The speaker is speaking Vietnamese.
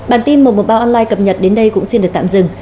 bản tin một trăm một mươi ba online cập nhật đến đây cũng xin được tạm dừng